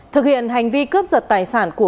thực hiện hành vi cướp giật tài sản của